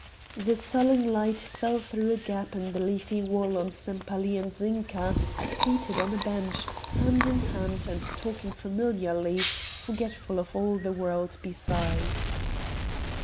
The sullen light fell through a gap in the leafy wall on Sempaly and Zinka, seated on a bench, hand in hand, and talking familiarly, forgetful of all the world besides.